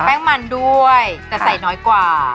แป้งมันด้วยแต่ใส่น้อยกว่า